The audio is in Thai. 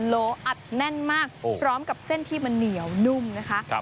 โลอัดแน่นมากพร้อมกับเส้นที่มันเหนียวนุ่มนะคะ